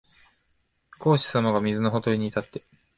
孔子さまが水のほとりに立って、